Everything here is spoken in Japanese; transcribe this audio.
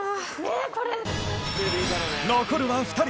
残るは２人。